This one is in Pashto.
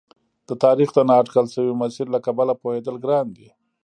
د تاریخ د نا اټکل شوي مسیر له کبله پوهېدل ګران دي.